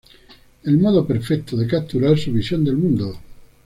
El modo perfecto de capturar su visión del mundo.